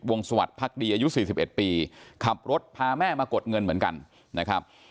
สวัสดีพักดีอายุ๔๑ปีขับรถพาแม่มากดเงินเหมือนกันนะครับ